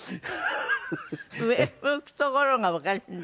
上向くところがおかしいんだね。